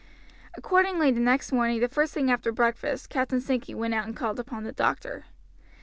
Accordingly, the next morning, the first thing after breakfast, Captain Sankey went out and called upon the doctor.